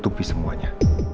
dia mau ditutupi semuanya